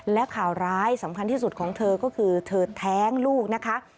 และข่าวร้ายสำคัญที่สุดของเธอก็คือเธอแท้งลูกนะคะ